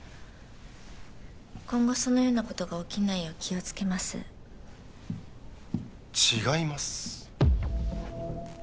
今後そのようなことが起きないよう気をつけます違います